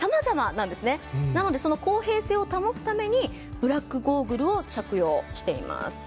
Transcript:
なので、その公平性を保つためにブラックゴーグルを着用しています。